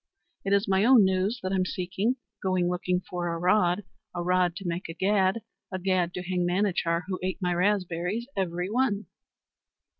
"It is my own news that I'm seeking. Going looking for a rod, a rod to make a gad, a gad to hang Manachar, who ate my raspberries every one."